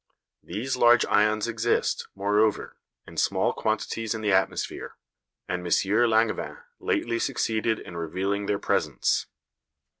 These large ions exist, moreover, in small quantities in the atmosphere; and M. Langevin lately succeeded in revealing their presence.